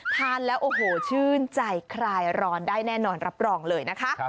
ทานแล้วโอ้โหชื่นใจคลายร้อนได้แน่นอนรับรองเลยนะคะ